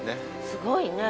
すごいね。